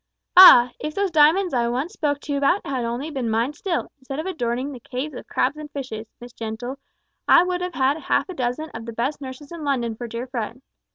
Ah! if those diamonds I once spoke to you about had only been mine still, instead of adorning the caves of crabs and fishes, Miss Gentle, I would have had half a dozen of the best nurses in London for dear Fred.